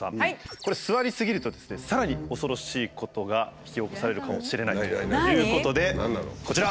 これ座りすぎるとですねさらに恐ろしいことが引き起こされるかもしれないということでこちら！